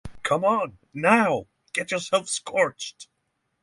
Come on, now, get yourself scorched!